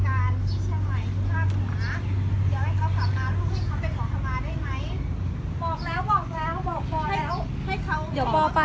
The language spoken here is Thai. มันนี่มีเที่ยนเล็กนะบอกเองซื้อเที่ยนเล็กมาด้วย